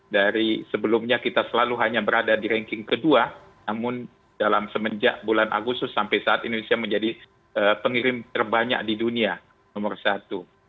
dari sebelumnya kita selalu hanya berada di ranking kedua namun dalam semenjak bulan agustus sampai saat indonesia menjadi pengirim terbanyak di dunia nomor satu